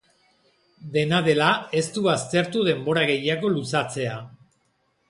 Dena dela, ez du baztertu denbora gehiago luzatzea.